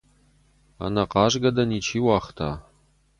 Ӕнӕ хъазгӕ дӕ ничи уагъта!